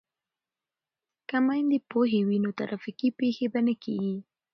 که میندې پوهې وي نو ترافیکي پیښې به نه کیږي.